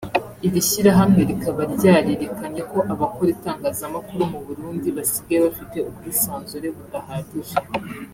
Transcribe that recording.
iri shyirahamwe rikaba ryarerekanye ko abakora itangazamakuru mu Burundi basigaye bafite ubwisanzure budahagije